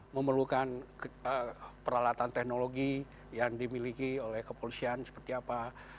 memerlukan peralatan teknologi yang dimiliki oleh kepolisian seperti apa